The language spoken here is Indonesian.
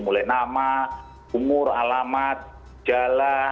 mulai nama umur alamat jalan